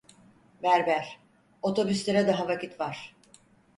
Berber: "Otobüslere daha vakit var."